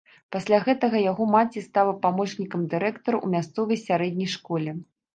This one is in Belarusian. Пасля гэтага яго маці стала памочнікам дырэктара ў мясцовай сярэдняй школе.